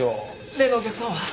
例のお客さんは？